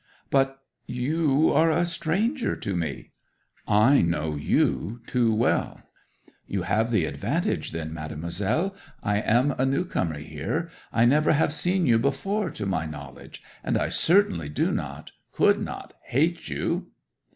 '"But you are a stranger to me." '"I know you too well!" '"You have the advantage then, Mademoiselle. I am a newcomer here. I never have seen you before to my knowledge; and I certainly do not, could not, hate you."